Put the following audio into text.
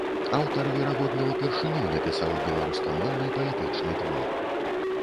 Аўтар верагодна ўпершыню напісаў беларускамоўны паэтычны твор.